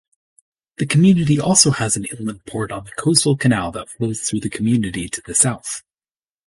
The community also has an inland port on the coastal canal that flows through the community to the south